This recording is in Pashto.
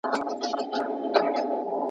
وسايل بايد وکارول سي.